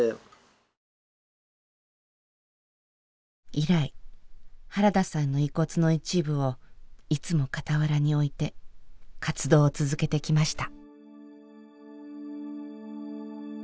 以来原田さんの遺骨の一部をいつも傍らに置いて活動を続けてきました。